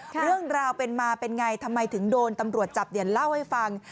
เรื่องราวเป็นมาเป็นไงทำไมถึงโดนตำรวจจับเดี๋ยวเล่าให้ฟัง